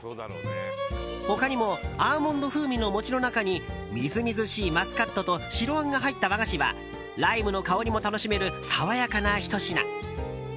他にも、アーモンド風味の餅の中にみずみずしいマスカットと白あんが入った和菓子はライムの香りも楽しめる爽やかなひと品。